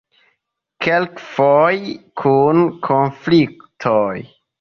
Kelkfoje kun konfliktoj.